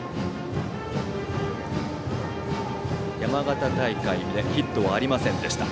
山形大会でヒットはありませんでした。